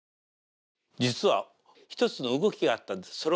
実は一つの動きがあったんです。